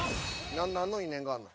何の因縁があんの？